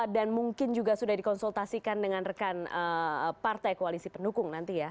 dan mungkin juga sudah dikonsultasikan dengan rekan partai koalisi pendukung nanti ya